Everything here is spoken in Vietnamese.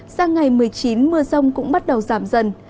sang ngày một mươi chín mưa rông cũng bắt đầu giảm dần